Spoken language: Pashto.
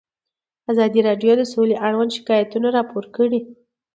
ازادي راډیو د سوله اړوند شکایتونه راپور کړي.